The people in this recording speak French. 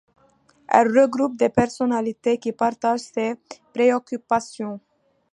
Elle regroupe des personnalités qui partagent ses préoccupations.